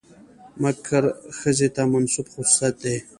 مکر ښځې ته منسوب خصوصيت دى.